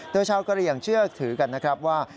โดยชาวกะเหลี่ยงเชื่อถือกันนะครับว่า